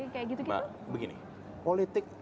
kayak gitu kita begini politik